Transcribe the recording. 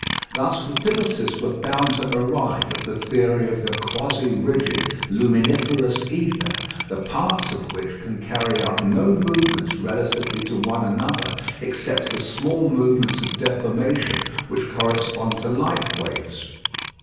Thus the physicists were bound to arrive at the theory of the "quasi rigid" luminiferous ether, the parts of which can carry out no movements relatively to one another except the small movements of deformation which correspond to light waves.